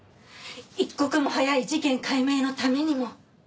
一刻も早い事件解明のためにも！